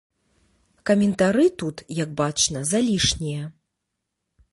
Каментары тут, як бачна, залішнія.